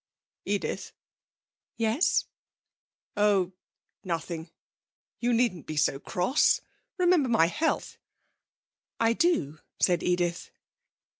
'Edith.' 'Yes.' 'Oh! nothing. You needn't be so cross. Remember my health.' 'I do,' said Edith.